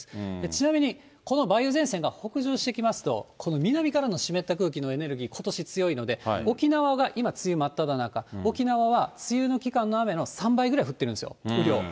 ちなみにこの梅雨前線が北上してきますと、この南からの湿った空気のエネルギー、ことし強いので、沖縄が今、梅雨真っただ中、沖縄は梅雨の期間の雨の３倍ぐらい降ってるんですよ、雨量。